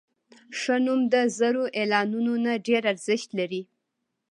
ښه نوم د زرو اعلانونو نه ډېر ارزښت لري.